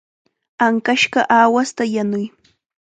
Ankashqa aawasta yanuy.